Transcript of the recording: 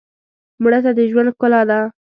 مړه ته د ژوند ښکلا ده